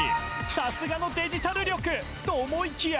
さすがのデジタル力、と思いきや。